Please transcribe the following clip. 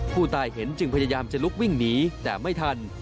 ผู้ตายเห็นจึงพยายามจะลุกวิ่งหนีแต่ไม่ทัน